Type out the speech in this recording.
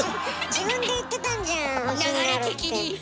自分で言ってたんじゃん星になるって。